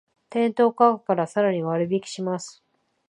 店頭価格からさらに割引します